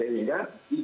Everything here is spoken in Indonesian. orang melakukan mining